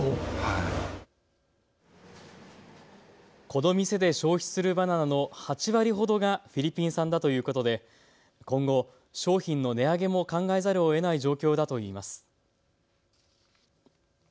この店で消費するバナナの８割ほどがフィリピン産だということで今後、商品の値上げも考えざるをえない状況だといいます。